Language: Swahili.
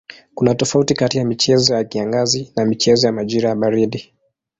Kuna tofauti kati ya michezo ya kiangazi na michezo ya majira ya baridi.